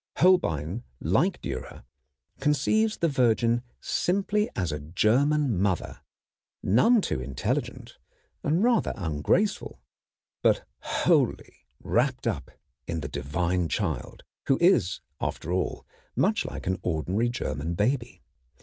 Holbein, like Dürer, conceives the Virgin simply as a German mother, none too intelligent, and rather ungraceful, but wholly wrapped up in the Divine Child, who is after all much like an ordinary German baby.